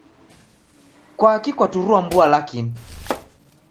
Kwakii kwaturua mbua lakini?